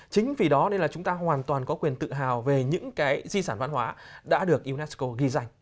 chính vì đó nên là chúng ta hoàn toàn có quyền tự hào về những cái di sản văn hóa đã được unesco ghi danh